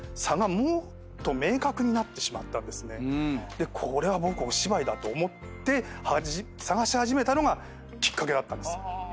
でこれは僕お芝居だと思って探し始めたのがきっかけだったんです。